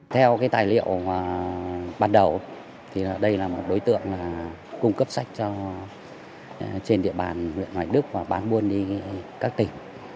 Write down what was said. theo tài liệu ban đầu đây là một đối tượng cung cấp sách cho trên địa bàn huyện hoài đức và bán buôn đi các tỉnh